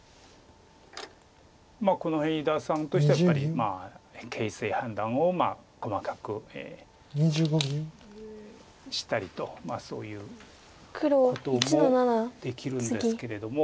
この辺伊田さんとしてはやっぱり形勢判断を細かくしたりとそういうこともできるんですけれども。